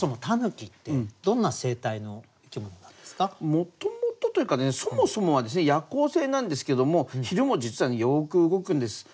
もともとというかねそもそもは夜行性なんですけども昼も実はよく動くんです。